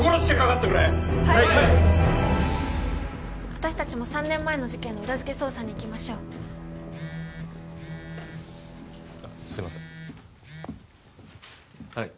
私たちも３年前の事件の裏付け捜査に行きましょうすいませんはい